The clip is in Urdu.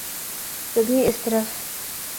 کبھی اس طرف۔